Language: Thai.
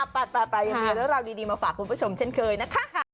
อะไปอย่างนี้แล้วเรารอดีมาฝากคุณผู้ชมเช่นเคยนะคะ